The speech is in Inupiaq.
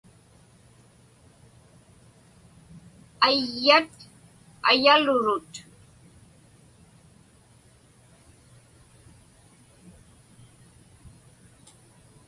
Ayat ayalurut.